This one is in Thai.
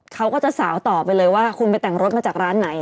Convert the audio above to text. เขาก็จะสาวต่อไปเลยว่าคุณไปแต่งรถมาจากร้านไหน